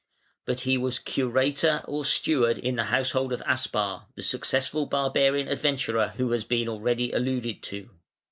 But he was "curator" or steward in the household of Aspar, the successful barbarian adventurer who has been already alluded to.